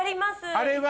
あれは。